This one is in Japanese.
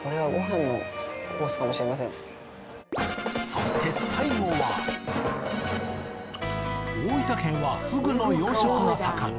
そして最後は大分県はふぐの養殖が盛ん。